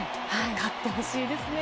勝ってほしいですね。